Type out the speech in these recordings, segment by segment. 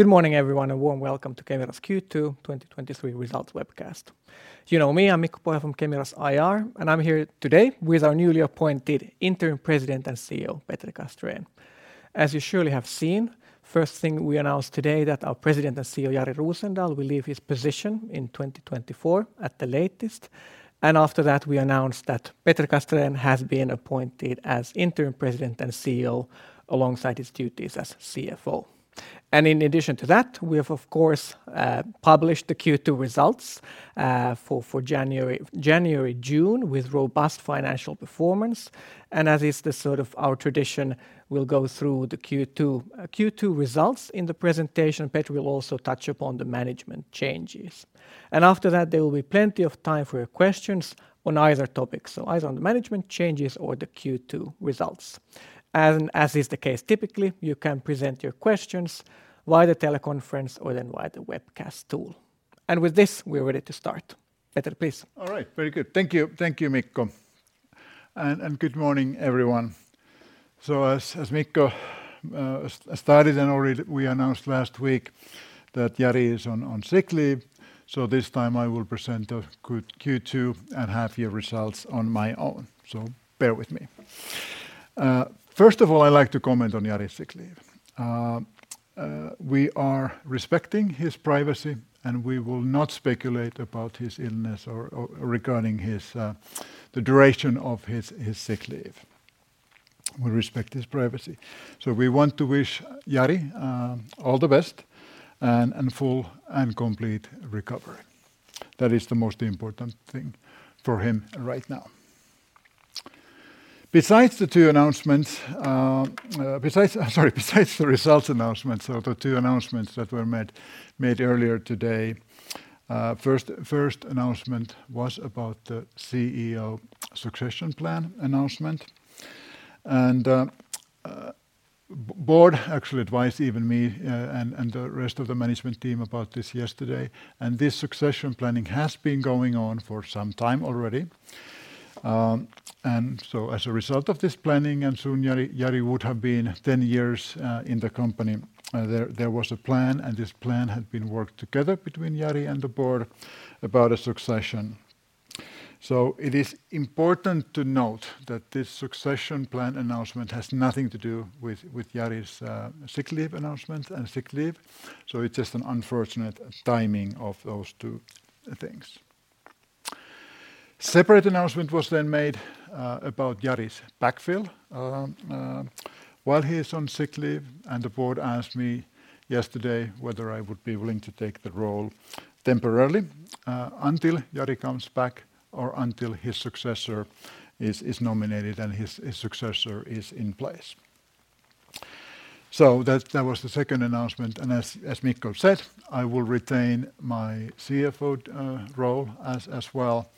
Good morning, everyone, warm welcome to Kemira's Q2 2023 results webcast. You know me, I'm Mikko Pohjala from Kemira's IR, and I'm here today with our newly appointed interim President and CEO, Petri Castrén. As you surely have seen, first thing we announce today that our President and CEO, Jari Rosendal, will leave his position in 2024 at the latest. After that, we announce that Petri Castrén has been appointed as interim President and CEO alongside his duties as CFO. In addition to that, we have, of course, published the Q2 results for January-June, with robust financial performance. As is the sort of our tradition, we'll go through the Q2 results in the presentation. Petri will also touch upon the management changes After that, there will be plenty of time for your questions on either topic, so either on the management changes or the Q2 results. As is the case, typically, you can present your questions via the teleconference or then via the webcast tool. With this, we're ready to start. Petri, please. All right. Very good. Thank you. Thank you, Mikko. Good morning, everyone. As Mikko started and already we announced last week that Jari is on sick leave, this time I will present the good Q2 and half year results on my own, bear with me. First of all, I'd like to comment on Jari's sick leave. We are respecting his privacy, and we will not speculate about his illness or regarding his the duration of his sick leave. We respect his privacy. We want to wish Jari all the best and full and complete recovery. That is the most important thing for him right now. Besides the two announcements. Sorry, besides the results announcements, the two announcements that were made earlier today, first announcement was about the CEO succession plan announcement. Board actually advised even me, and the rest of the management team about this yesterday, and this succession planning has been going on for some time already. As a result of this planning, and soon Jari would have been 10 years in the company, there was a plan, and this plan had been worked together between Jari and the board about a succession. It is important to note that this succession plan announcement has nothing to do with Jari's sick leave announcement and sick leave, it's just an unfortunate timing of those two things. Separate announcement was made about Jari's backfill. While he is on sick leave, the board asked me yesterday whether I would be willing to take the role temporarily until Jari comes back or until his successor is nominated and his successor is in place. That was the second announcement, and as Mikko said, I will retain my CFO role as well.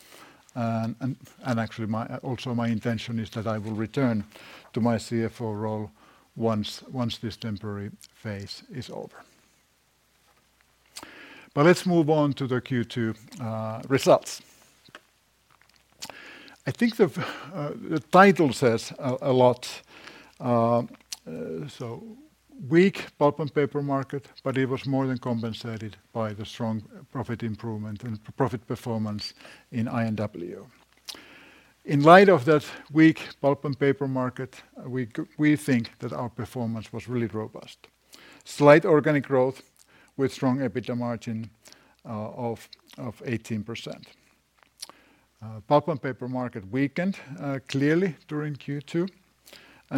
And actually, also, my intention is that I will return to my CFO role once this temporary phase is over. Let's move on to the Q2 results. I think the title says a lot, weak pulp and paper market, but it was more than compensated by the strong profit improvement and profit performance in I&W. In light of that weak pulp and paper market, we think that our performance was really robust. Slight organic growth with strong EBITDA margin of 18%. Pulp and paper market weakened clearly during Q2,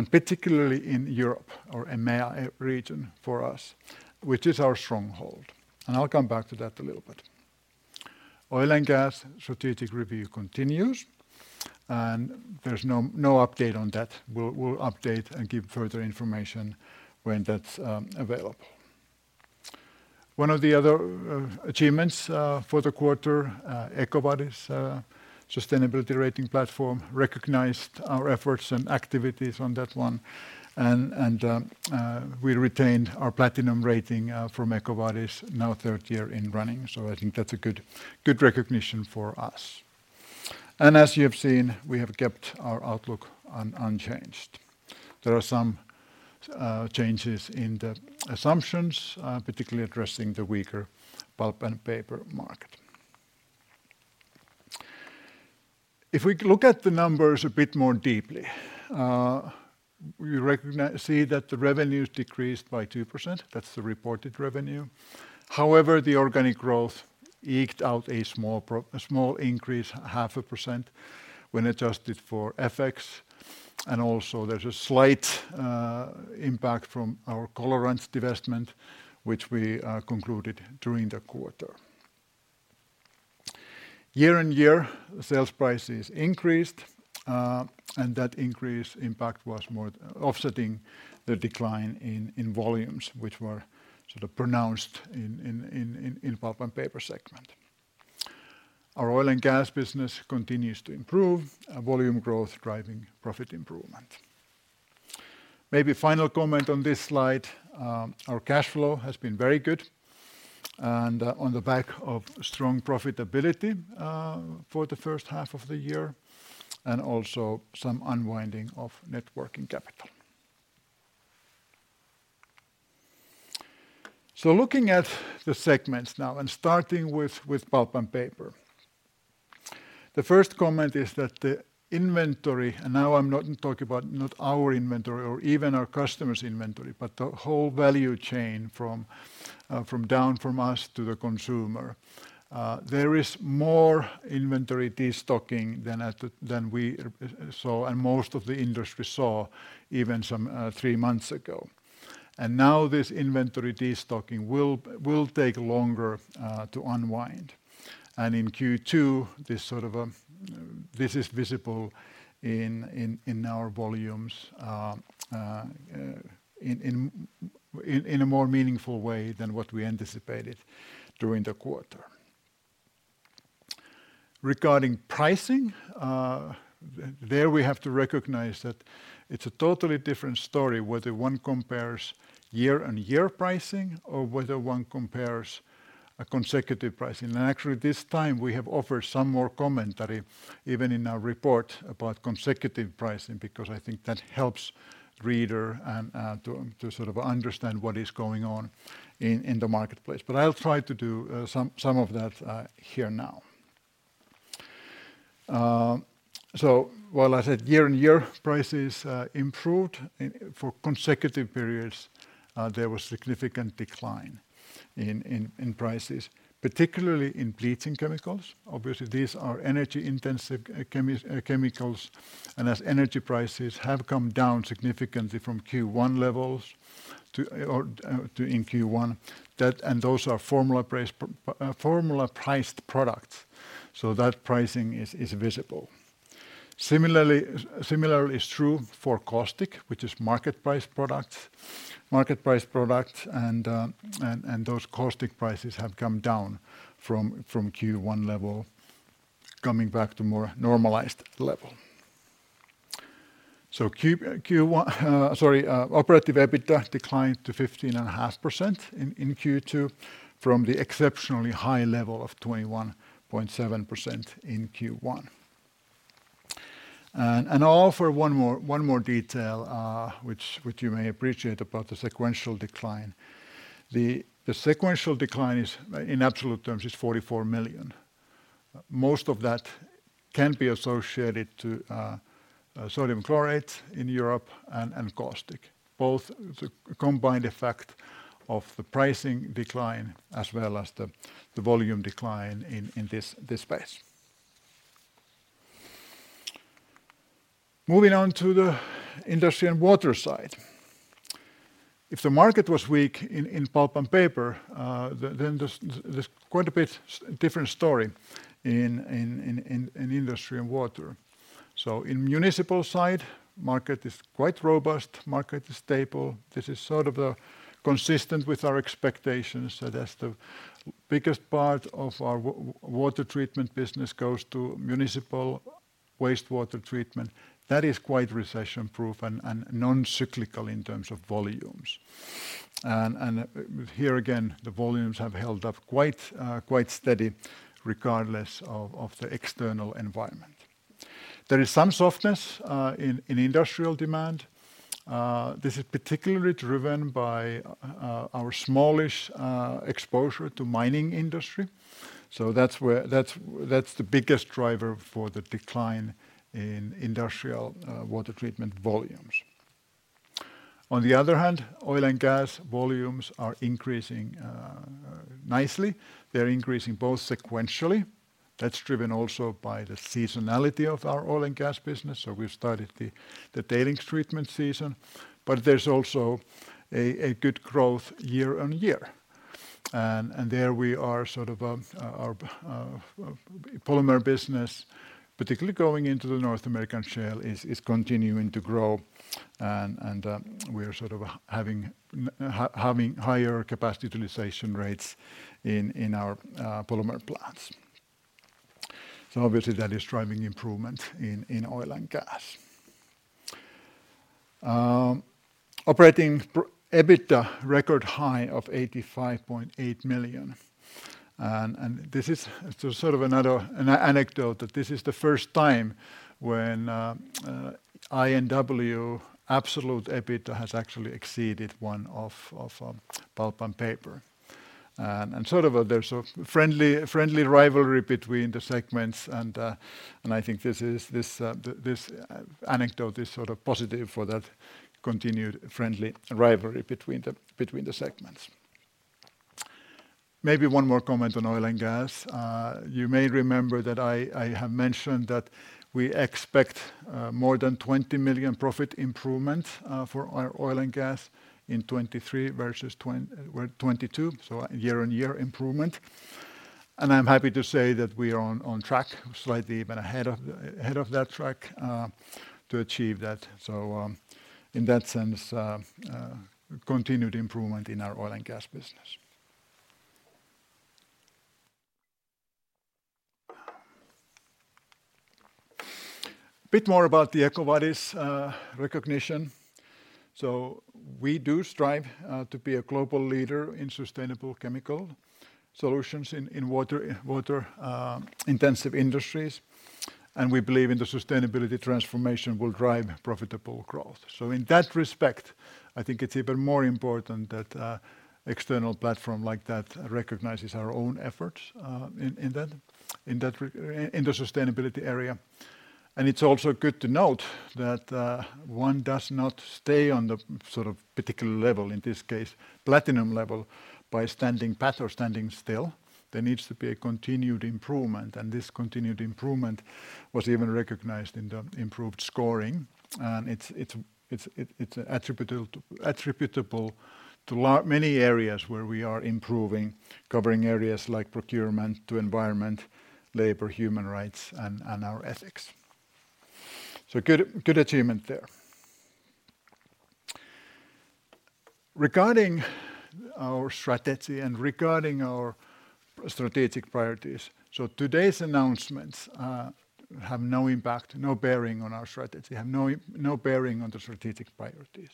particularly in Europe or EMEA region for us, which is our stronghold. I'll come back to that a little bit. Oil and gas strategic review continues. There's no update on that. We'll update and give further information when that's available. One of the other achievements for the quarter, EcoVadis sustainability rating platform, recognized our efforts and activities on that one, and we retained our Platinum rating from EcoVadis now third year in running. I think that's a good recognition for us. As you have seen, we have kept our outlook unchanged. There are some changes in the assumptions, particularly addressing the weaker pulp and paper market. If we look at the numbers a bit more deeply, we see that the revenues decreased by 2%. That's the reported revenue. The organic growth eked out a small increase, 0.5%, when adjusted for FX, and also there's a slight impact from our Colorants divestment, which we concluded during the quarter. Year on year, sales prices increased, and that increase impact was more offsetting the decline in volumes, which were sort of pronounced in pulp and paper segment. Our oil and gas business continues to improve, volume growth driving profit improvement. Maybe final comment on this slide, our cash flow has been very good. On the back of strong profitability for H1 of the year, and also some unwinding of networking capital. Looking at the segments now and starting with pulp and paper. The first comment is that the inventory, and now I'm not talking about not our inventory or even our customer's inventory, but the whole value chain from down from us to the consumer. There is more inventory de-stocking than than we saw, and most of the industry saw even some three months ago. Now this inventory de-stocking will take longer to unwind. In Q2, this sort of, this is visible in our volumes in a more meaningful way than what we anticipated during the quarter. Regarding pricing, there we have to recognize that it's a totally different story, whether one compares year-over-year pricing or whether one compares a consecutive pricing. Actually, this time, we have offered some more commentary, even in our report about consecutive pricing, because I think that helps reader and to sort of understand what is going on in the marketplace. I'll try to do some of that here now. While I said year-over-year prices improved for consecutive periods, there was significant decline in prices, particularly in bleaching chemicals. Obviously, these are energy-intensive chemicals, as energy prices have come down significantly from Q1 levels to or to in Q1, that. Those are formula-priced products, so that pricing is visible. Similarly is true for caustic, which is market price products, and those caustic prices have come down from Q1 level, coming back to more normalized level. Q1 operative EBITDA declined to 15.5% in Q2 from the exceptionally high level of 21.7% in Q1. All for one more detail which you may appreciate about the sequential decline. The sequential decline is in absolute terms, is 44 million. Most of that can be associated to sodium chlorate in Europe and caustic. Both the combined effect of the pricing decline as well as the volume decline in this space. Moving on to the industry and water side. If the market was weak in pulp and paper, then there's quite a bit different story in industry and water. In municipal side, market is quite robust, market is stable. This is sort of consistent with our expectations, so that's the biggest part of our water treatment business goes to municipal wastewater treatment. That is quite recession-proof and non-cyclical in terms of volumes. Here again, the volumes have held up quite steady, regardless of the external environment. There is some softness in industrial demand. This is particularly driven by our smallish exposure to mining industry. That's the biggest driver for the decline in industrial water treatment volumes. On the other hand, oil and gas volumes are increasing nicely. They're increasing both sequentially. That's driven also by the seasonality of our oil and gas business, so we've started the tailings treatment season, but there's also a good growth year on year. There we are sort of our polymer business, particularly going into the North American shale, is continuing to grow. We are sort of having higher capacity utilization rates in our polymer plants. Obviously, that is driving improvement in oil and gas. Operating EBITDA, record high of 85.8 million. This is sort of another anecdote, that this is the first time when I&W absolute EBITDA has actually exceeded one of pulp and paper. Sort of there's a friendly rivalry between the segments and I think this anecdote is sort of positive for that continued friendly rivalry between the segments. Maybe one more comment on oil and gas. You may remember that I have mentioned that we expect more than 20 million profit improvement for our oil and gas in 2023 versus 2022, so year on year improvement. I'm happy to say that we are on track, slightly even ahead of that track, to achieve that. In that sense, continued improvement in our oil and gas business. A bit more about the EcoVadis recognition. We do strive to be a global leader in sustainable chemical solutions in water, intensive industries, and we believe in the sustainability transformation will drive profitable growth. In that respect, I think it's even more important that external platform like that recognizes our own efforts in that, in the sustainability area. It's also good to note that one does not stay on the sort of particular level, in this case, Platinum level, by standing pat or standing still. There needs to be a continued improvement, and this continued improvement was even recognized in the improved scoring. It's attributable to many areas where we are improving, covering areas like procurement to environment, labor, human rights, and our ethics. Good, good achievement there. Regarding our strategy and regarding our strategic priorities, today's announcements have no impact, no bearing on our strategy, have no bearing on the strategic priorities.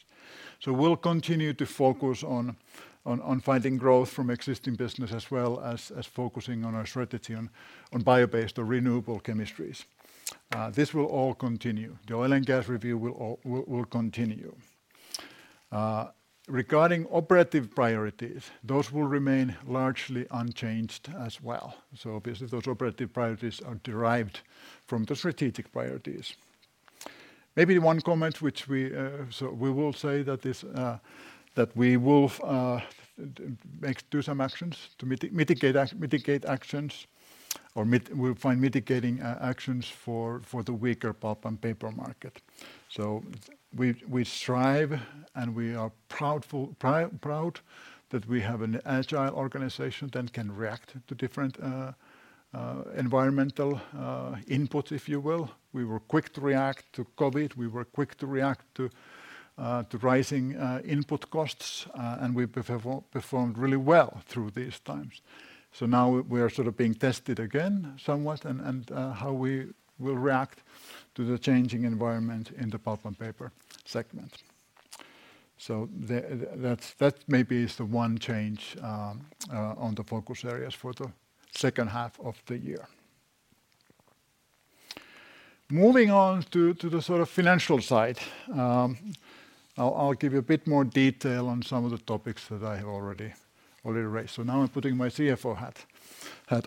We'll continue to focus on finding growth from existing business as well as focusing on our strategy on bio-based or renewable chemistries. This will all continue. The oil and gas review will continue. Regarding operative priorities, those will remain largely unchanged as well, obviously those operative priorities are derived from the strategic priorities. Maybe one comment which we will say that this that we will make, do some actions to mitigate actions, or we'll find mitigating actions for the weaker pulp and paper market. We strive and we are proudful, proud that we have an agile organization that can react to different environmental inputs, if you will. We were quick to react to COVID. We were quick to react to rising input costs, and we performed really well through these times. Now we are sort of being tested again, somewhat, and how we will react to the changing environment in the pulp and paper segment. The that maybe is the one change on the focus areas for the second half of the year. Moving on to the sort of financial side, I'll give you a bit more detail on some of the topics that I have already raised. Now I'm putting my CFO hat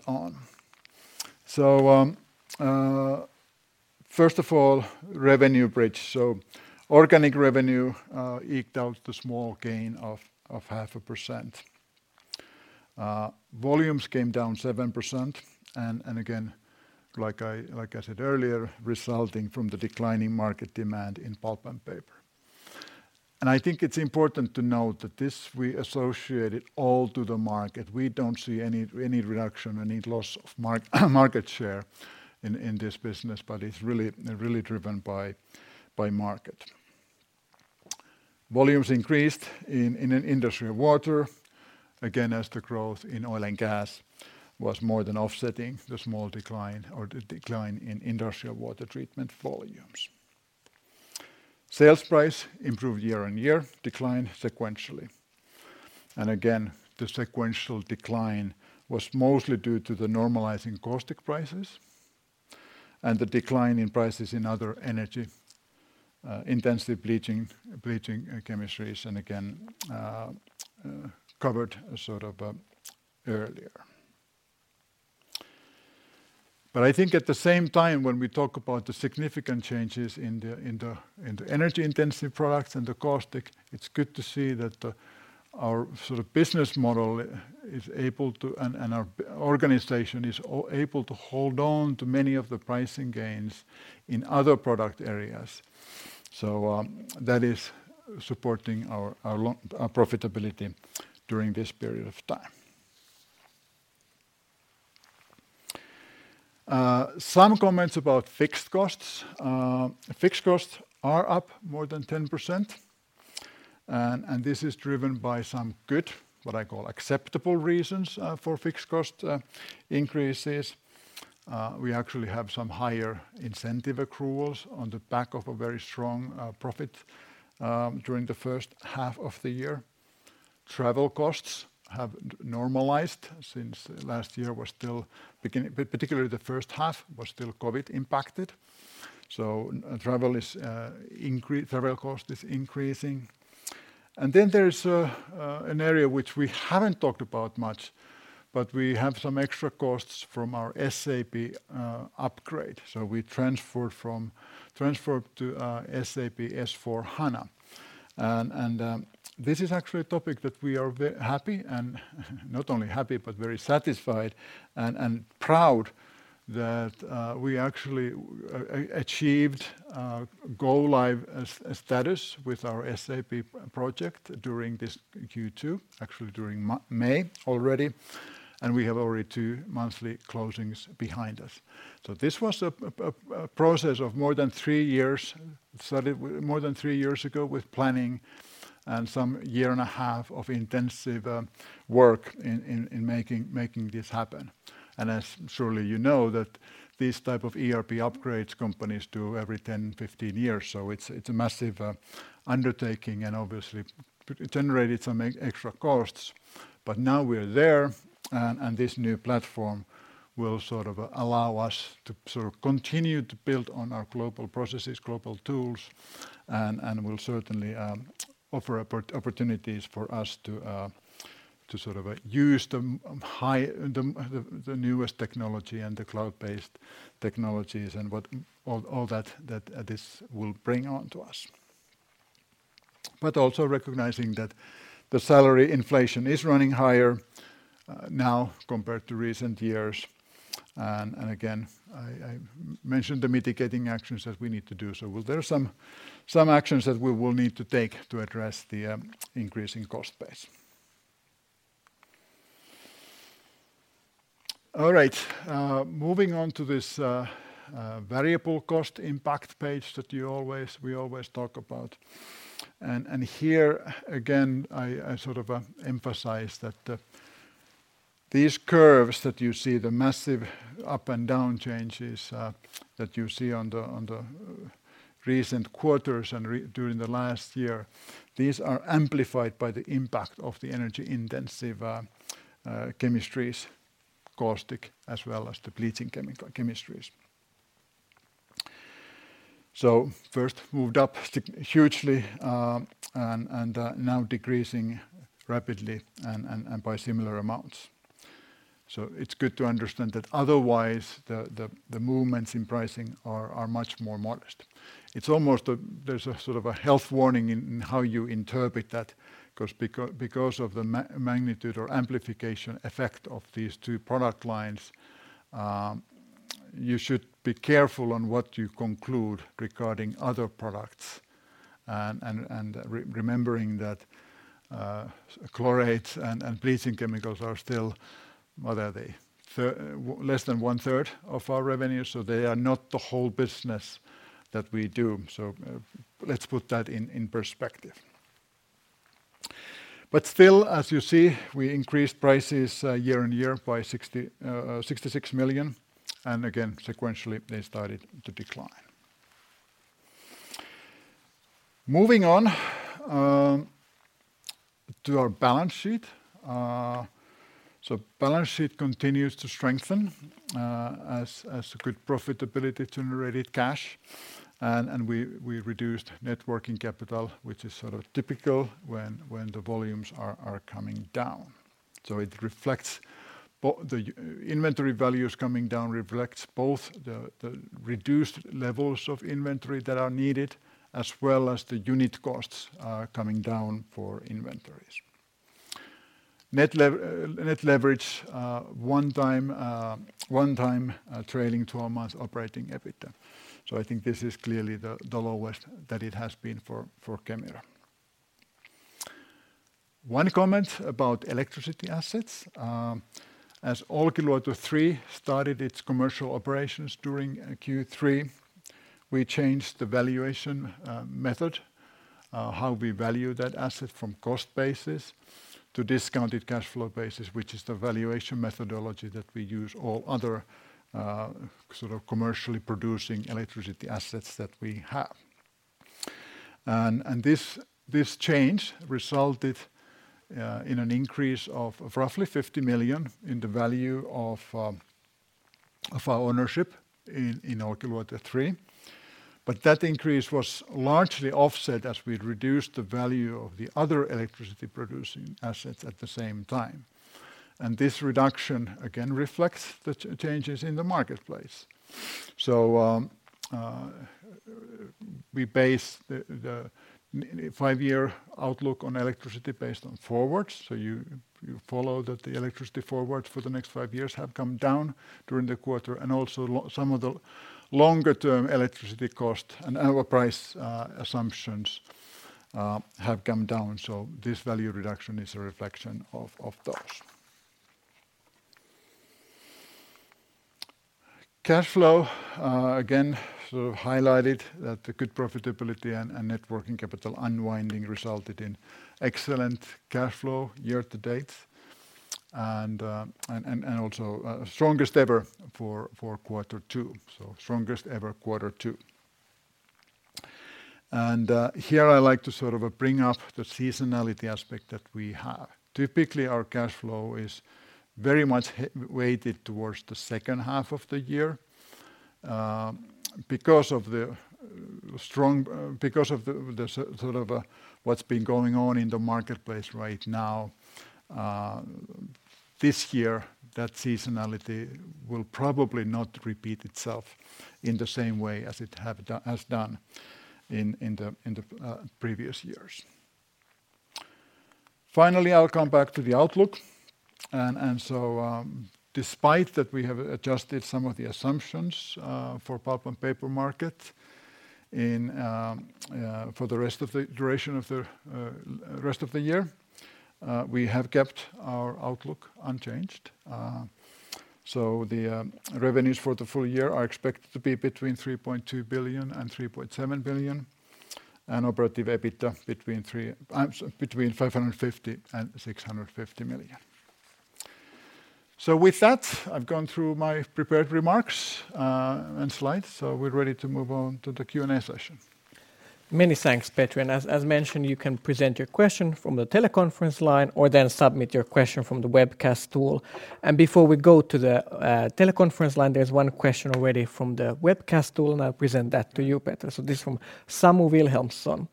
on. First of all, revenue bridge. Organic revenue eked out the small gain of 0.5%. Volumes came down 7% and again, like I said earlier, resulting from the declining market demand in pulp and paper. I think it's important to note that this we associate it all to the market. We don't see any reduction, any loss of market share in this business, but it's really driven by market. Volumes increased in an industrial water, again, as the growth in oil and gas was more than offsetting the small decline or the decline in industrial water treatment volumes. Sales price improved year-on-year, declined sequentially. Again, the sequential decline was mostly due to the normalizing caustic prices and the decline in prices in other energy intensive bleaching chemistries, again, covered sort of earlier. I think at the same time, when we talk about the significant changes in the energy-intensive products and the caustic, it's good to see that our sort of business model is able to and our organization is able to hold on to many of the pricing gains in other product areas. That is supporting our profitability during this period of time. Some comments about fixed costs. Fixed costs are up more than 10%, and this is driven by some good, what I call acceptable reasons, for fixed cost increases. We actually have some higher incentive accruals on the back of a very strong profit during H1 of the year. Travel costs have normalized since last year was still beginning. Particularly, the first half was still COVID-impacted, so travel cost is increasing. There's an area which we haven't talked about much, but we have some extra costs from our SAP upgrade. We transferred to SAP S/4HANA. This is actually a topic that we are happy and not only happy, but very satisfied and proud that we actually achieved go-live status with our SAP project during this Q2, actually during May already, and we have already two monthly closings behind us. This was a process of more than three years. It started more than three years ago with planning and some 1 and a half years of intensive work making this happen. As surely you know, that these type of ERP upgrades companies do every 10, 15 years, it's a massive undertaking and obviously it generated some extra costs. Now we're there, and this new platform will sort of allow us to sort of continue to build on our global processes, global tools, and will certainly offer opportunities for us to sort of use the newest technology and the cloud-based technologies, and all that this will bring on to us. Also recognizing that the salary inflation is running higher now compared to recent years. Again, I mentioned the mitigating actions that we need to do. Well, there are some actions that we will need to take to address the increasing cost base. All right, moving on to this variable cost impact page that we always talk about. Here, again, I sort of emphasize that these curves that you see, the massive up and down changes that you see on the recent quarters and during the last year, these are amplified by the impact of the energy-intensive chemistries, caustic, as well as the bleaching chemical chemistries. First, moved up hugely and now decreasing rapidly and by similar amounts. It's good to understand that otherwise, the movements in pricing are much more modest. It's almost there's a sort of a health warning in how you interpret that, cause because of the magnitude or amplification effect of these two product lines, you should be careful on what you conclude regarding other products. Remembering that chlorates and bleaching chemicals are still, what are they? Less than 1/3 of our revenue, so they are not the whole business that we do. Let's put that in perspective. Still, as you see, we increased prices, year on year by 66 million, and again, sequentially, they started to decline. Moving on to our balance sheet. Balance sheet continues to strengthen, as good profitability generated cash, and we reduced net working capital, which is sort of typical when the volumes are coming down. It reflects the inventory values coming down reflects both the reduced levels of inventory that are needed, as well as the unit costs coming down for inventories. net leverage, one time trailing 12 months operative EBITDA. I think this is clearly the lowest that it has been for Kemira. One comment about electricity assets. As Olkiluoto 3 started its commercial operations during Q3, we changed the valuation method how we value that asset from cost basis to discounted cash flow basis, which is the valuation methodology that we use all other sort of commercially producing electricity assets that we have. This change resulted in an increase of roughly 50 million in the value of our ownership in Olkiluoto 3. That increase was largely offset as we reduced the value of the other electricity-producing assets at the same time. This reduction, again, reflects the changes in the marketplace. We base the five year outlook on electricity based on forwards. You follow that the electricity forward for the next five years have come down during the quarter, and also some of the term electricity cost and our price assumptions have come down. This value reduction is a reflection of those. Cash flow, again, sort of highlighted that the good profitability and net working capital unwinding resulted in excellent cash flow year to date, and also, strongest ever Q2. Here, I like to sort of bring up the seasonality aspect that we have. Typically, our cash flow is very much weighted towards H2 of the year. Because of the sort of what's been going on in the marketplace right now, this year, that seasonality will probably not repeat itself in the same way as it has done in the previous years. Finally, I'll come back to the outlook. Despite that we have adjusted some of the assumptions for pulp and paper market in for the rest of the duration of the rest of the year, we have kept our outlook unchanged. The revenues for the full year are expected to be between 3.2 billion and 3.7 billion, and operative EBITDA between 550 million and 650 million. With that, I've gone through my prepared remarks, and slides, so we're ready to move on to the Q&A session. Many thanks, Petri. As mentioned, you can present your question from the teleconference line, or submit your question from the webcast tool. Before we go to the teleconference line, there's one question already from the webcast tool, I'll present that to you, Petri. This is from Samu Wilhelmson.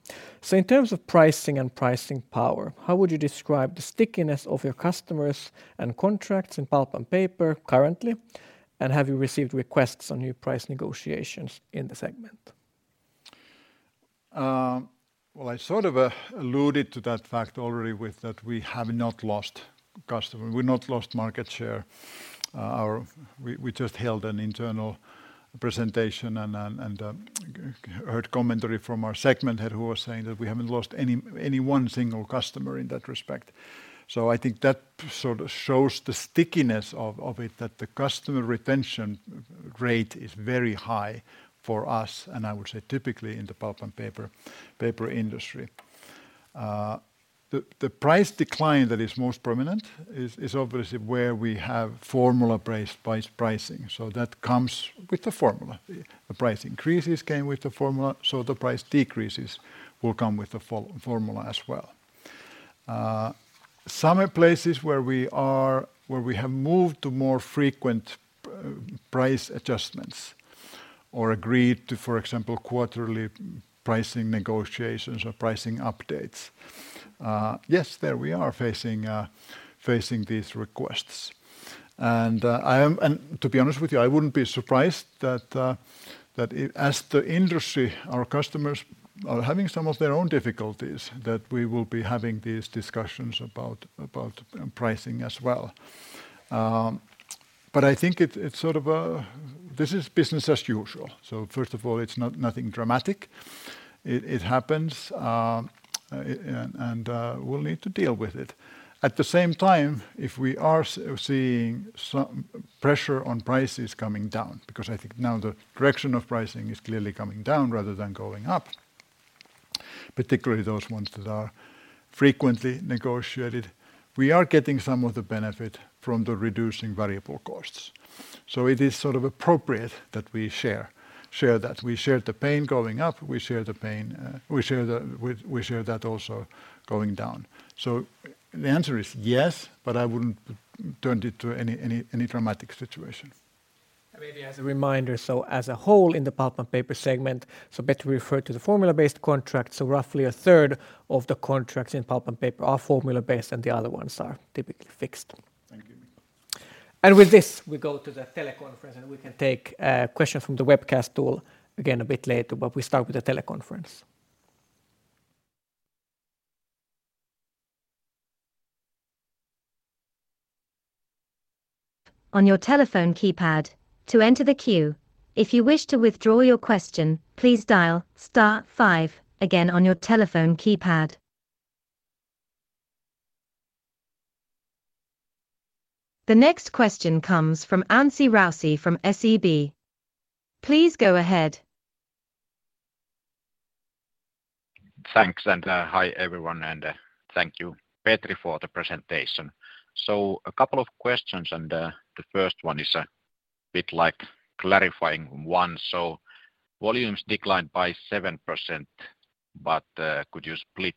In terms of pricing and pricing power, how would you describe the stickiness of your customers and contracts in pulp and paper currently? Have you received requests on new price negotiations in the segment? Well, I sort of alluded to that fact already with that we have not lost market share. We just held an internal presentation and heard commentary from our segment head, who was saying that we haven't lost any one single customer in that respect. I think that sort of shows the stickiness of it, that the customer retention rate is very high for us, and I would say typically in the pulp and paper industry. The price decline that is most prominent is obviously where we have formula-priced price pricing, that comes with the formula. The price increases came with the formula, the price decreases will come with the formula as well. Some places where we have moved to more frequent price adjustments or agreed to, for example, quarterly pricing negotiations or pricing updates, yes, there we are facing these requests. To be honest with you, I wouldn't be surprised that as the industry, our customers are having some of their own difficulties, that we will be having these discussions about pricing as well. I think it's sort of a. This is business as usual. First of all, it's not nothing dramatic. It happens, and we'll need to deal with it. At the same time, if we are seeing some pressure on prices coming down, because I think now the direction of pricing is clearly coming down rather than going up, particularly those ones that are frequently negotiated. We are getting some of the benefit from the reducing variable costs. It is sort of appropriate that we share that. We shared the pain going up, we share the pain. We share that also going down. The answer is yes, but I wouldn't turn it to any dramatic situation. Maybe as a reminder, so as a whole in the pulp and paper segment, so Petri referred to the formula-based contract. Roughly 1/3 of the contracts in pulp and paper are formula-based, and the other ones are typically fixed. Thank you, Mika. With this, we go to the teleconference, and we can take questions from the webcast tool again a bit later, but we start with the teleconference. On your telephone keypad to enter the queue. If you wish to withdraw your question, please dial star five again on your telephone keypad. The next question comes from Anssi Raussi from SEB. Please go ahead. Thanks. Hi, everyone, and thank you, Petri, for the presentation. A couple of questions, and the first one is a bit like clarifying one. Volumes declined by 7%, but could you split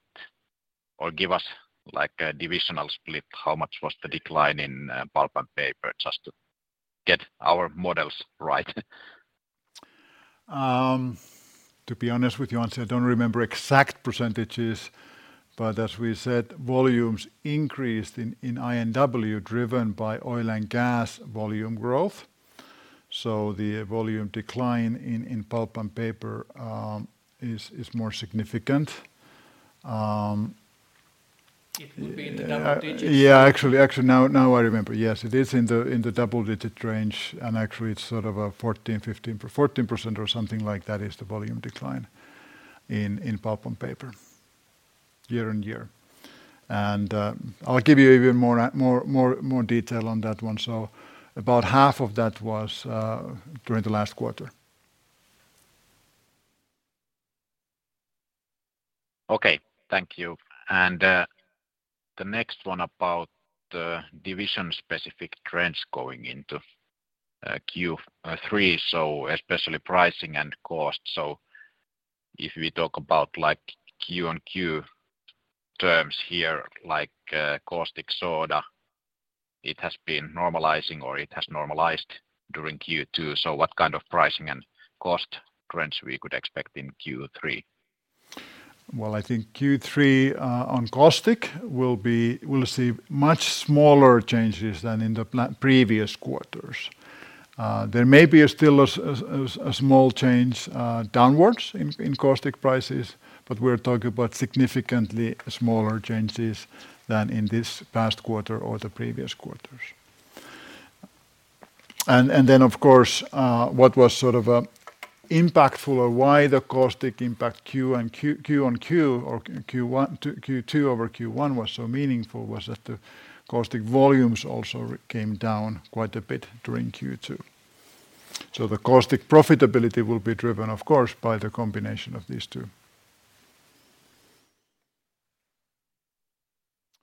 or give us, like, a divisional split? How much was the decline in pulp and paper, just to get our models right? To be honest with you, Anssi, I don't remember exact percentages. As we said, volumes increased in INW, driven by oil and gas volume growth. The volume decline in pulp and paper is more significant. It would be in the double digits. Yeah. Actually, now I remember. Yes, it is in the double digit range, actually, it's sort of a 14% to 15%... 14% or something like that is the volume decline in pulp and paper year-on-year. I'll give you even more detail on that one. About half of that was during the last quarter. Okay. Thank you. The next one about the division-specific trends going into Q3, so especially pricing and cost. If we talk about, like, quarter-on-quarter terms here, like, caustic soda, it has been normalizing or it has normalized during Q2. What kind of pricing and cost trends we could expect in Q3? Well, I think Q3 on caustic will see much smaller changes than in the previous quarters. There may be a still a small change downwards in caustic prices, but we're talking about significantly smaller changes than in this past quarter or the previous quarters. Then, of course, what was sort of impactful or why the caustic impact Q1 to Q2 over Q1 was so meaningful was that the caustic volumes also came down quite a bit during Q2. The caustic profitability will be driven, of course, by the combination of these two.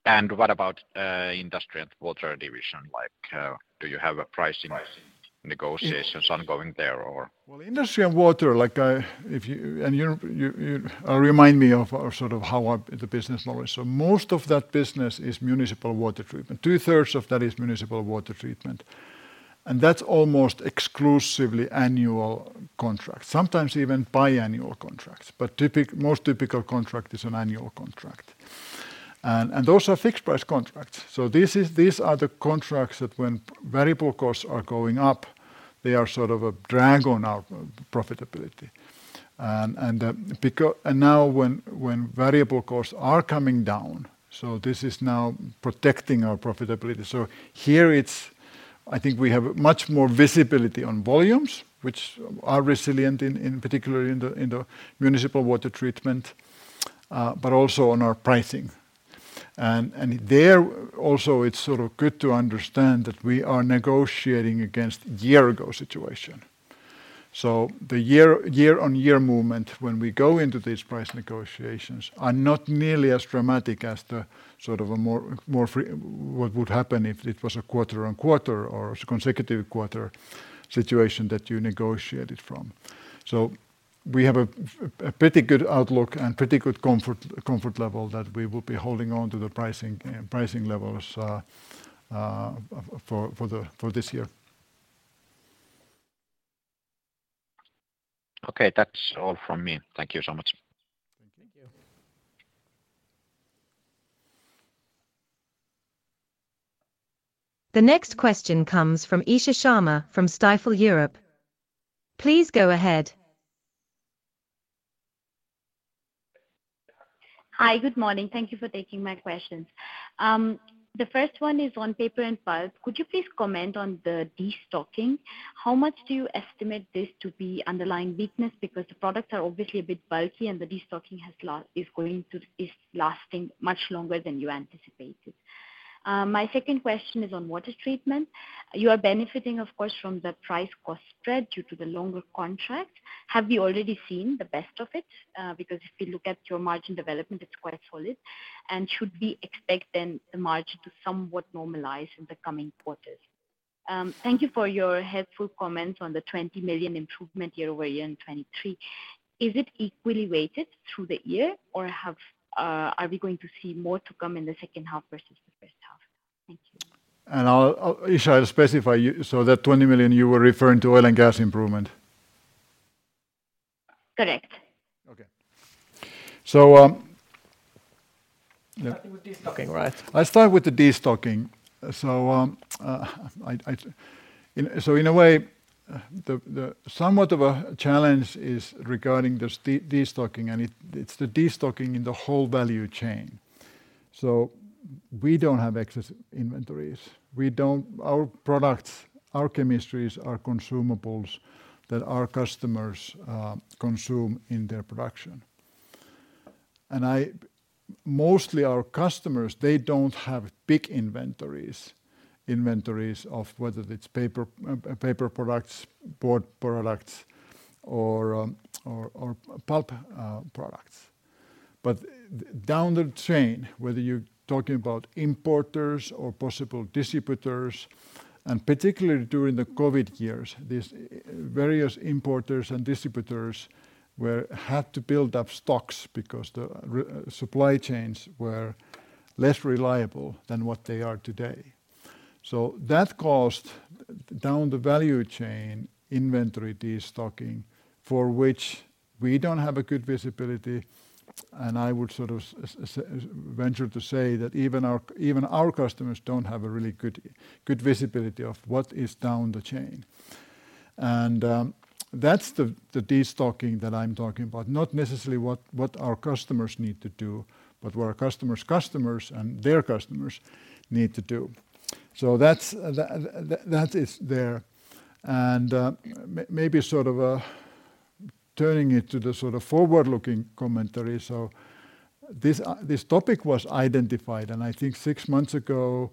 What about Industry and Water division? Like, do you have a pricing negotiations ongoing there, or? Well, industry and water, like, if you remind me of sort of how the business model is. Most of that business is municipal water treatment. Two-thirds of that is municipal water treatment, and that's almost exclusively annual contracts, sometimes even biannual contracts. Most typical contract is an annual contract. Those are fixed price contracts. These are the contracts that when variable costs are going up, they are sort of a drag on our profitability. Now when variable costs are coming down, so this is now protecting our profitability. Here I think we have much more visibility on volumes, which are resilient in particular in the municipal water treatment, but also on our pricing. There also, it's sort of good to understand that we are negotiating against year-ago situation. The year-on-year movement, when we go into these price negotiations, are not nearly as dramatic as the sort of a more what would happen if it was a quarter-on-quarter or a consecutive quarter situation that you negotiated from. We have a pretty good outlook and pretty good comfort level that we will be holding on to the pricing levels for the, for this year. Okay, that's all from me. Thank you so much. Thank you. The next question comes from Isha Sharma from Stifel Europe. Please go ahead. Hi, good morning. Thank you for taking my questions. The first one is on paper and pulp. Could you please comment on the destocking? How much do you estimate this to be underlying weakness? The products are obviously a bit bulky, and the destocking is lasting much longer than you anticipated. My second question is on water treatment. You are benefiting, of course, from the price cost spread due to the longer contract. Have you already seen the best of it? If you look at your margin development, it's quite solid. Should we expect then the margin to somewhat normalize in the coming quarters? Thank you for your helpful comments on the 20 million improvement year-over-year in 2023. Is it equally weighted through the year, or are we going to see more to come in the H2 versus H1? Thank you. I'll specify you, so that 20 million you were referring to oil and gas improvement? Correct. Okay. Starting with destocking, right? Let's start with the destocking. In a way, the somewhat of a challenge is regarding this destocking, and it's the destocking in the whole value chain. We don't have excess inventories. Our products, our chemistries are consumables that our customers consume in their production. Mostly our customers, they don't have big inventories of whether it's paper products, board products, or pulp products. Down the chain, whether you're talking about importers or possible distributors, and particularly during the COVID years, these various importers and distributors had to build up stocks because the supply chains were less reliable than what they are today. That caused, down the value chain, inventory destocking for which we don't have a good visibility, and I would sort of venture to say that even our, even our customers don't have a really good visibility of what is down the chain. That's the destocking that I'm talking about, not necessarily what our customers need to do, but what our customers', customers, and their customers need to do. That's that is there. Maybe sort of turning it to the sort of forward-looking commentary. This topic was identified, and I think six months ago,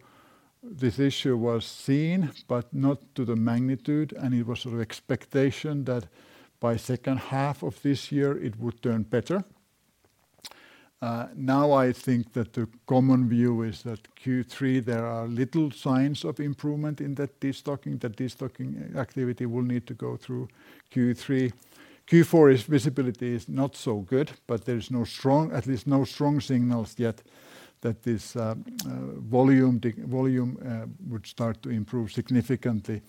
this issue was seen, but not to the magnitude, and it was sort of expectation that by H2 of this year, it would turn better. I think that the common view is that Q3, there are little signs of improvement in that destocking. That destocking activity will need to go through Q3. Q4's visibility is not so good, there's no strong, at least no strong signals yet that this volume would start to improve significantly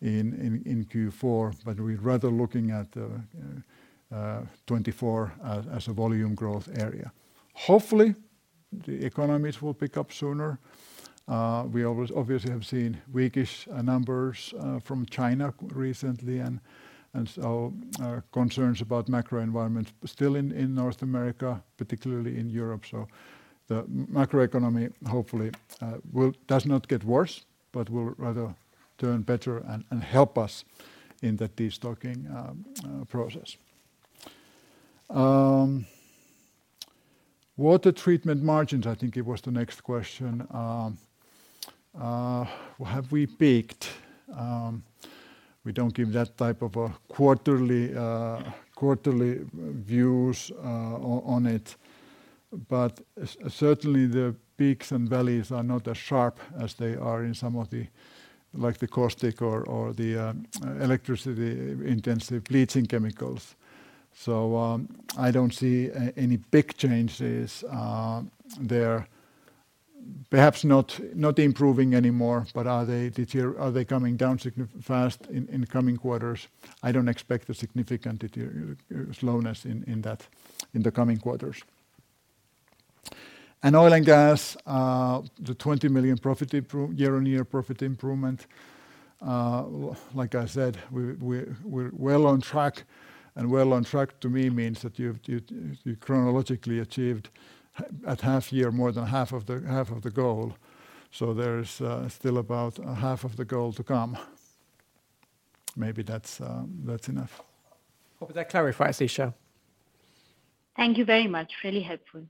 in Q4. We're rather looking at 2024 as a volume growth area. Hopefully, the economies will pick up sooner. We always obviously have seen weak-ish numbers from China recently and so concerns about macro environment still in North America, particularly in Europe. The macroeconomy, hopefully, does not get worse, but will rather turn better and help us in the destocking process. Water treatment margins, I think it was the next question. Have we peaked? We don't give that type of a quarterly views on it, but certainly the peaks and valleys are not as sharp as they are in some of the, like the caustic or the electricity-intensive bleaching chemicals. I don't see any big changes there. Perhaps not improving anymore, but are they coming down fast in the coming quarters? I don't expect a significant slowness in that in the coming quarters. Oil and gas, the 20 million profit year-on-year profit improvement, like I said, we're well on track, and well on track to me means that you've chronologically achieved at half year, more than half of the goal. There's still about a half of the goal to come. Maybe that's enough. Hope that clarifies, Isha. Thank you very much. Really helpful.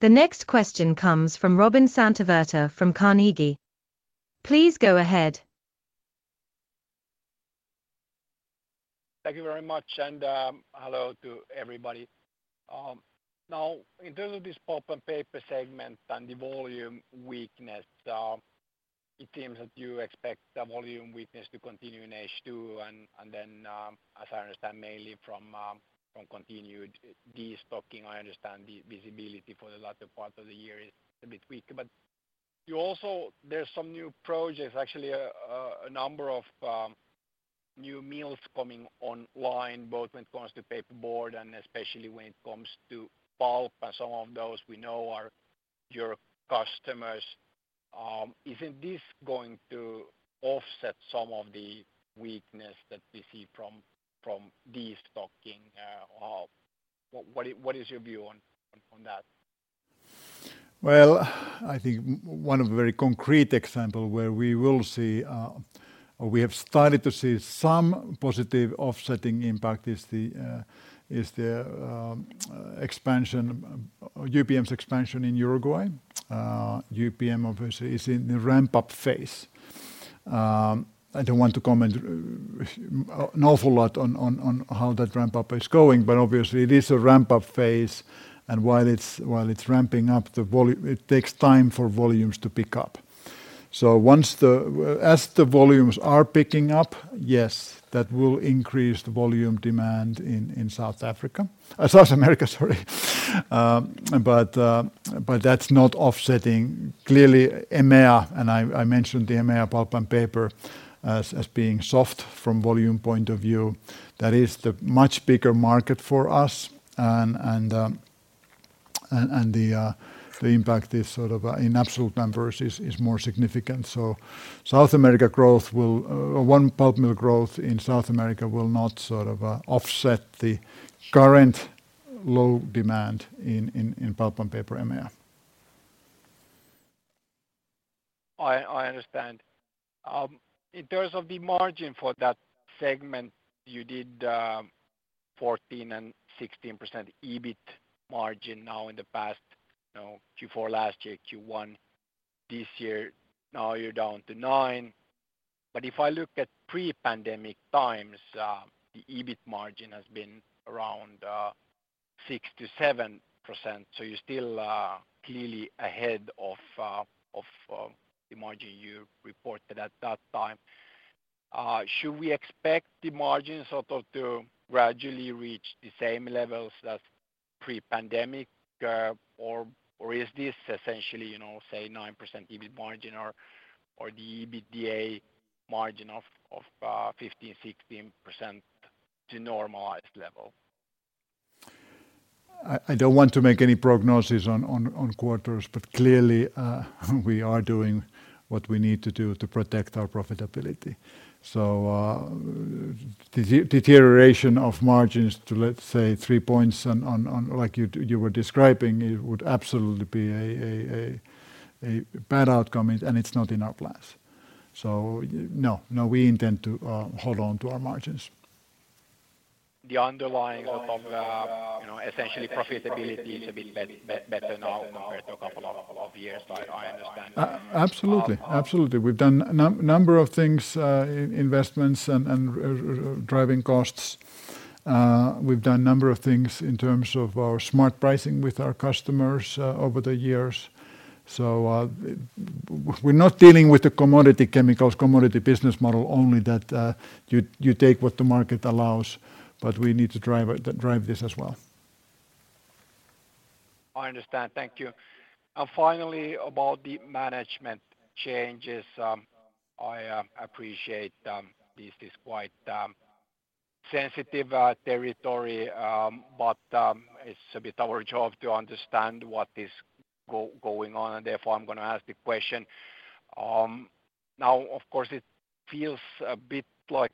The next question comes from Robin Santavirta from Carnegie. Please go ahead. Thank you very much. Hello to everybody. Now, in terms of this pulp and paper segment and the volume weakness, it seems that you expect the volume weakness to continue in H2, and then, as I understand, mainly from continued destocking, I understand the visibility for the latter part of the year is a bit weak. You also. There's some new projects, actually, a number of new mills coming online, both when it comes to paperboard and especially when it comes to pulp, and some of those we know are your customers. Isn't this going to offset some of the weakness that we see from destocking? What is your view on that? I think one of the very concrete example where we will see, or we have started to see some positive offsetting impact is the expansion, UPM's expansion in Uruguay. UPM, obviously, is in the ramp-up phase. I don't want to comment an awful lot on how that ramp up is going, but obviously it is a ramp up phase, and while it's ramping up, it takes time for volumes to pick up. Once the... as the volumes are picking up, yes, that will increase the volume demand in South America, South America, sorry. That's not offsetting clearly EMEA, and I mentioned the EMEA pulp and paper as being soft from volume point of view. That is the much bigger market for us and the impact is sort of in absolute numbers is more significant. One pulp mill growth in South America will not sort of offset the current low demand in pulp and paper EMEA. I understand. In terms of the margin for that segment, you did 14% and 16% EBIT margin now in the past, you know, Q4 last year, Q1 this year, now you're down to nine. If I look at pre-pandemic times, the EBIT margin has been around 6% to 7%, so you're still clearly ahead of the margin you reported at that time. Should we expect the margins sort of to gradually reach the same levels as pre-pandemic, or is this essentially, you know, say, 9% EBIT margin or the EBITDA margin of 15% to 16% to normalized level? I don't want to make any prognosis on quarters, but clearly, we are doing what we need to do to protect our profitability. Deterioration of margins to, let's say, three points on. Like you were describing, it would absolutely be a bad outcome, and it's not in our plans. No. We intend to hold on to our margins. The underlying sort of, you know, essentially profitability is a bit better now compared to a couple of years back, I understand. Absolutely. Absolutely. We've done number of things in investments and driving costs. We've done a number of things in terms of our smart pricing with our customers over the years. We're not dealing with the commodity chemicals, commodity business model, only that you take what the market allows, but we need to drive this as well. I understand. Thank you. Finally, about the management changes, I appreciate this is quite sensitive territory, but it's a bit our job to understand what is going on. Therefore, I'm gonna ask the question. Of course, it feels a bit like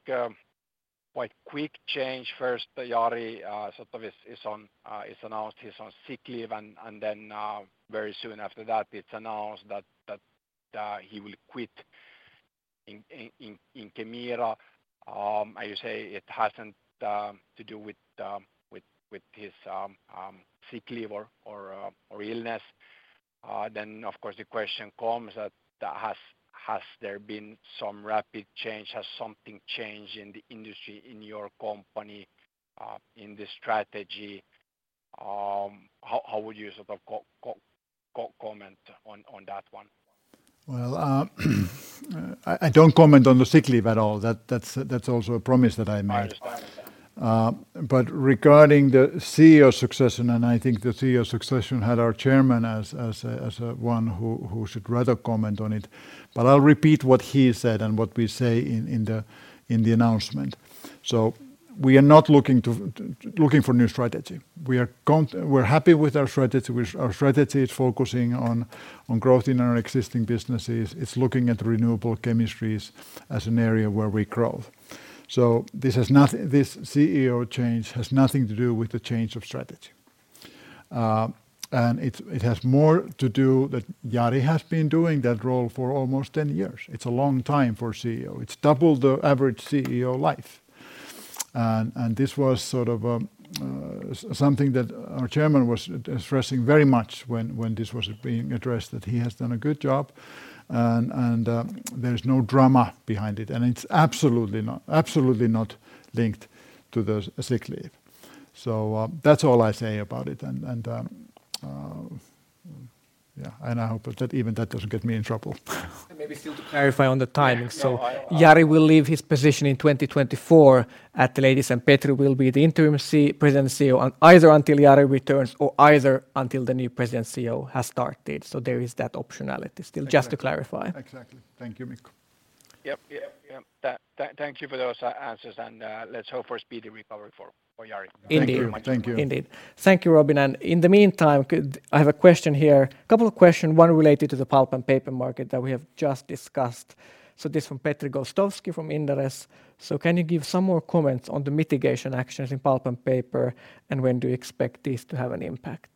quite quick change. First, Jari sort of is on, is announced he's on sick leave. Then very soon after that, it's announced that he will quit in Kemira. I say it hasn't to do with his sick leave or illness. Of course, the question comes that has there been some rapid change? Has something changed in the industry, in your company, in the strategy? How would you sort of comment on that one? Well, I don't comment on the sick leave at all. That's also a promise that I made. I understand. Regarding the CEO succession, I think the CEO succession had our Chairman as a one who should rather comment on it. I'll repeat what he said and what we say in the announcement. We are not looking for new strategy. We're happy with our strategy, which our strategy is focusing on growth in our existing businesses. It's looking at renewable chemistries as an area where we grow. This CEO change has nothing to do with the change of strategy. It has more to do that Jari has been doing that role for almost 10 years. It's a long time for a CEO. It's double the average CEO life. This was sort of, something that our chairman was stressing very much when this was being addressed, that he has done a good job. There is no drama behind it, and it's absolutely not linked to the sick leave. That's all I say about it. Yeah, and I hope that even that doesn't get me in trouble. Maybe still to clarify on the timing. Yeah, I. Jari will leave his position in 2024 at the latest, and Petri will be the interim President CEO on either until Jari returns or until the new President CEO has started. There is that optionality still, just to clarify. Exactly. Thank you, Mikko. Yep. Thank you for those answers, and let's hope for speedy recovery for Jari. Indeed. Thank you. Thank you. Indeed. Thank you, Robin. In the meantime, I have a question here. A couple of questions, one related to the pulp and paper market that we have just discussed. This from Petri Gostowski from Inderes: "Can you give some more comments on the mitigation actions in pulp and paper, and when do you expect this to have an impact?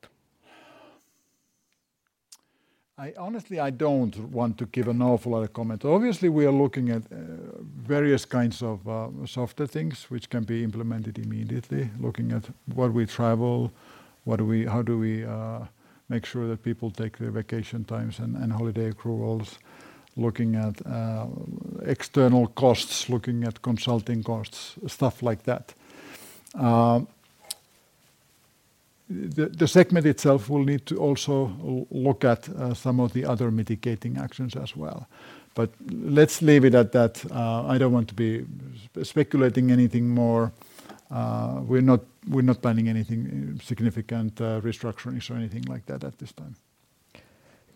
I honestly, I don't want to give an awful lot of comment. Obviously, we are looking at various kinds of softer things which can be implemented immediately. Looking at where we travel, how do we make sure that people take their vacation times and holiday accruals? Looking at external costs, looking at consulting costs, stuff like that. The segment itself will need to also look at some of the other mitigating actions as well. Let's leave it at that. I don't want to be speculating anything more. We're not planning anything significant restructurings or anything like that at this time.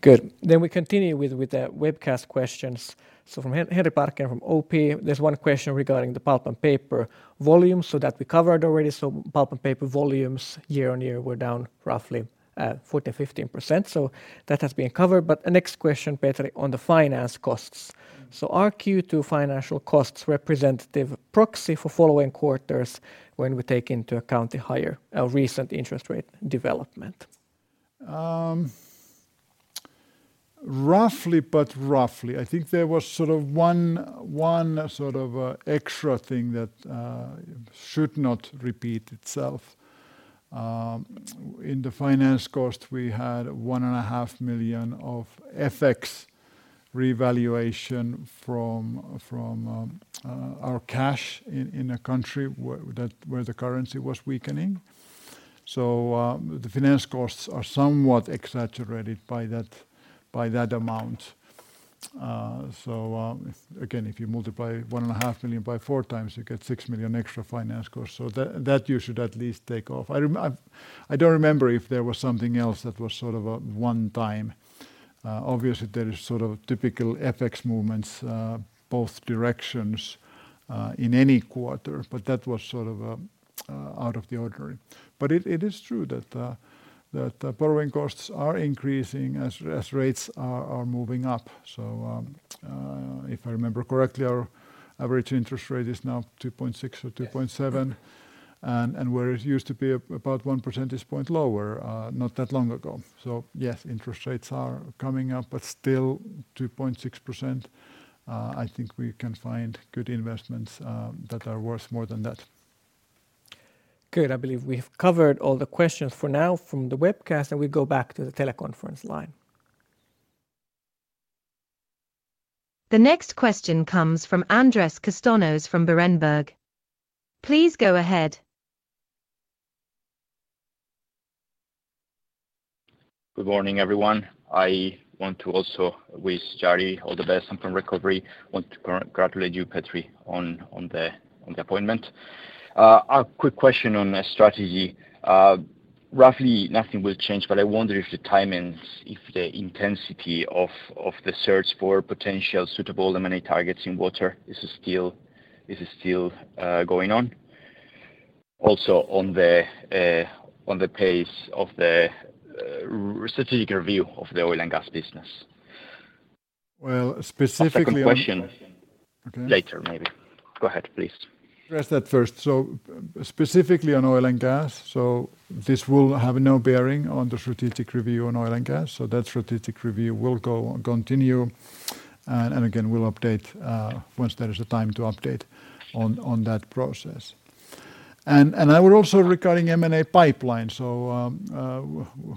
Good. Then we continue with the webcast questions. From Henri Parkkinen from OP, there's one question regarding the pulp and paper volume. That we covered already. Pulp and paper volumes, year-on-year, were down roughly at 14%, 15%. That has been covered. The next question, Petri, on the finance costs: "Are Q2 financial costs representative proxy for following quarters when we take into account the higher recent interest rate development? Roughly. I think there was sort of one sort of extra thing that should not repeat itself. In the finance cost, we had 1.5 million of FX revaluation from our cash in a country where the currency was weakening. The finance costs are somewhat exaggerated by that amount. If again, if you multiply 1.5 million by 4x, you get 6 million extra finance costs. That you should at least take off. I don't remember if there was something else that was sort of a one-time. Obviously, there is sort of typical FX movements, both directions, in any quarter, but that was sort of out of the ordinary. it is true that borrowing costs are increasing as rates are moving up. if I remember correctly, our average interest rate is now 2.6% or 2.7%. Yes. Where it used to be about one percentage point lower not that long ago. Yes, interest rates are coming up, but still 2.6%, I think we can find good investments that are worth more than that. Good. I believe we have covered all the questions for now from the webcast, and we go back to the teleconference line. The next question comes from Andres Castanos-Mollor from Berenberg. Please go ahead. Good morning, everyone. I want to also wish Jari all the best and fun recovery. I want to congratulate you, Petri, on the appointment. A quick question on the strategy. Roughly, nothing will change, but I wonder if the timings, if the intensity of the search for potential suitable M&A targets in water is still going on, also on the pace of the strategic review of the oil and gas business? Well. A second question. Okay. Later, maybe. Go ahead, please. Address that first. Specifically on oil and gas, this will have no bearing on the strategic review on oil and gas. That strategic review will go, continue, and again, we'll update once there is a time to update on that process. I were also regarding M&A pipeline,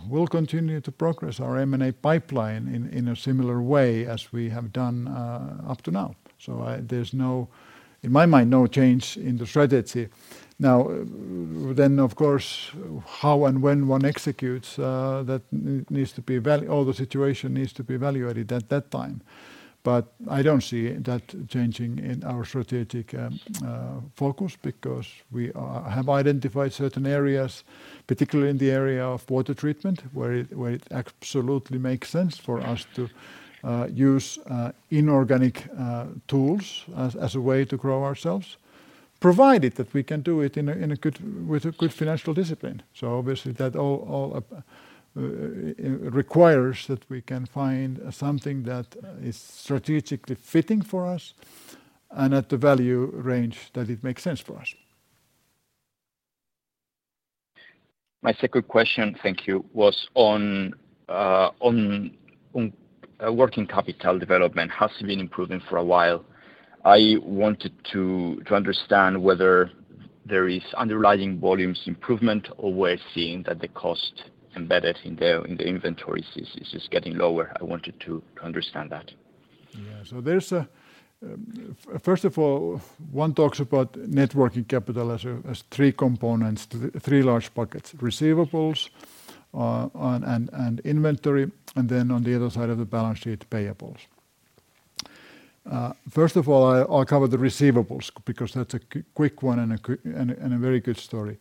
we'll continue to progress our M&A pipeline in a similar way as we have done up to now. There's no, in my mind, no change in the strategy. Of course, how and when one executes, or the situation needs to be evaluated at that time. I don't see that changing in our strategic focus, because we are, have identified certain areas, particularly in the area of water treatment, where it absolutely makes sense for us to use inorganic tools as a way to grow ourselves, provided that we can do it with a good financial discipline. Obviously, that all requires that we can find something that is strategically fitting for us and at the value range that it makes sense for us. My second question, thank you, was on working capital development has been improving for a while. I wanted to understand whether there is underlying volumes improvement or we're seeing that the cost embedded in the inventories is getting lower. I wanted to understand that. First of all, one talks about net working capital as three components, three large buckets receivables, on, and inventory, and then on the other side of the balance sheet, payables. First of all, I'll cover the receivables because that's a quick one and a very good story.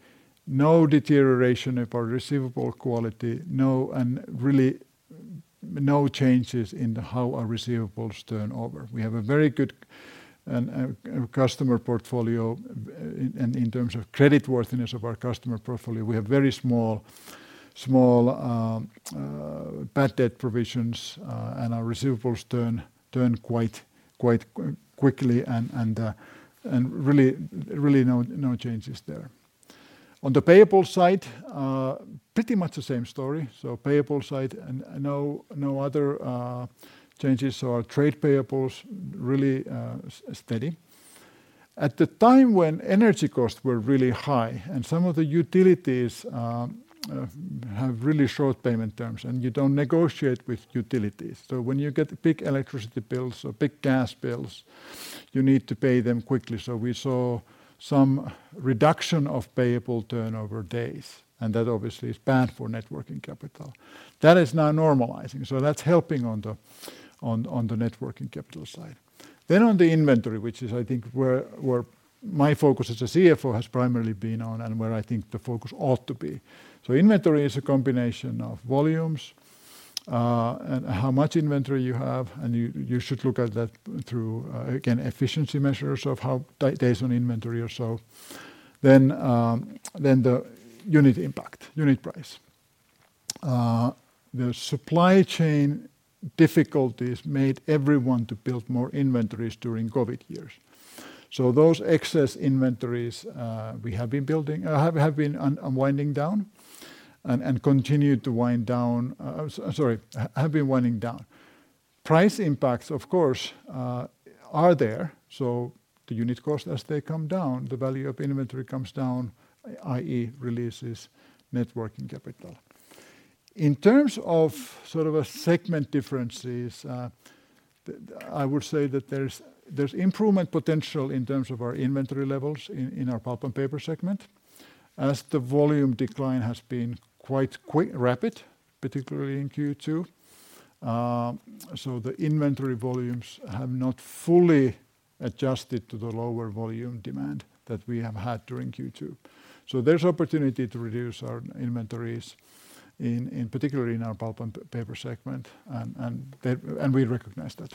No deterioration of our receivable quality, no and really, no changes in the how our receivables turn over. We have a very good and a customer portfolio, in terms of creditworthiness of our customer portfolio, we have very small bad debt provisions, and our receivables turn quite quickly, and really no changes there. On the payable side, pretty much the same story. Payable side and no other changes, so our trade payables really steady. At the time when energy costs were really high and some of the utilities have really short payment terms, and you don't negotiate with utilities. When you get big electricity bills or big gas bills, you need to pay them quickly. We saw some reduction of payable turnover days, and that obviously is bad for net working capital. That is now normalizing, so that's helping on the net working capital side. On the inventory, which is, I think, where my focus as a CFO has primarily been on and where I think the focus ought to be. Inventory is a combination of volumes, and how much inventory you have, and you should look at that through again, efficiency measures of how days on inventory or so. The unit impact, unit price. The supply chain difficulties made everyone to build more inventories during COVID years. Those excess inventories we have been building have been unwinding down and continue to wind down. Sorry, have been winding down. Price impacts, of course, are there, the unit cost, as they come down, the value of inventory comes down, i.e., releases net working capital. In terms of sort of a segment differences, the, I would say that there's improvement potential in terms of our inventory levels in our pulp and paper segment, as the volume decline has been quite rapid, particularly in Q2. The inventory volumes have not fully adjusted to the lower volume demand that we have had during Q2. There's opportunity to reduce our inventories in particularly in our pulp and paper segment, and that, and we recognize that.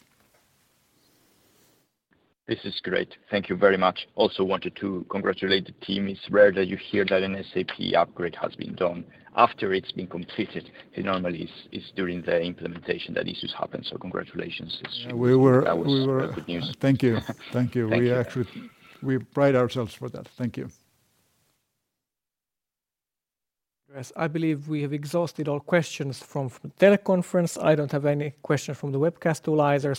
This is great. Thank you very much. Also wanted to congratulate the team. It's rare that you hear that an SAP upgrade has been done after it's been completed. It normally is during the implementation that issues happen. Congratulations. Yeah, we were... That was- We were-... good news. Thank you. Thank you. Thank you. We actually, we pride ourselves for that. Thank you. I believe we have exhausted all questions from the teleconference. I don't have any questions from the webcast tool either.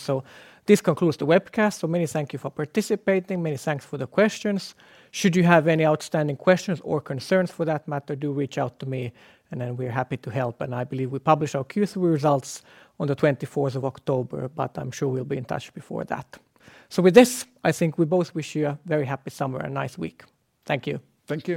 This concludes the webcast. Many thank you for participating. Many thanks for the questions. Should you have any outstanding questions or concerns for that matter, do reach out to me, we're happy to help. I believe we publish our Q3 results on the 24th of October, but I'm sure we'll be in touch before that. With this, I think we both wish you a very happy summer and nice week. Thank you. Thank you.